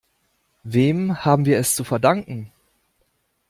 Wem haben wir es zu verdanken?